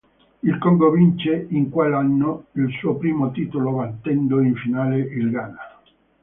Il Congo vince in quell'anno il suo primo titolo, battendo in finale il Ghana.